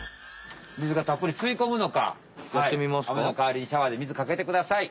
水がたっぷりすいこむのか雨のかわりにシャワーで水かけてください。